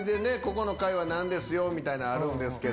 この階は何ですよみたいなのあるんですけど。